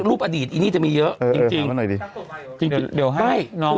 พวกรูปอดีตอีนี่จะมีเยอะเออเออเออถามมาหน่อยสิสำหรับตัว